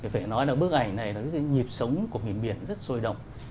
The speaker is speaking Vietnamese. phải nói là bức ảnh này là nhịp sống của miền biển rất sôi động